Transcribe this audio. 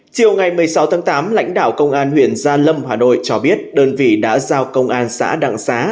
chiều ngày một mươi sáu tháng tám lãnh đạo công an huyện gia lâm hà nội cho biết đơn vị đã giao công an xã đặng xá